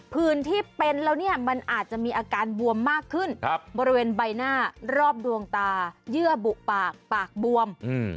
ื่นที่เป็นแล้วเนี่ยมันอาจจะมีอาการบวมมากขึ้นบริเวณใบหน้ารอบดวงตาเยื่อบุปากปากบวม